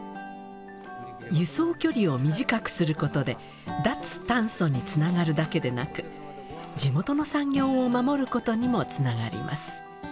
輸送距離を短くすることで脱炭素につながるだけでなく地元の産業を守ることにもつながります。